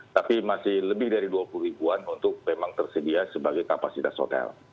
tapi masih lebih dari dua puluh ribuan untuk memang tersedia sebagai kapasitas hotel